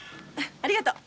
ありがとう！